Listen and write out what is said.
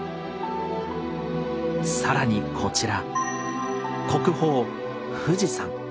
更にこちら。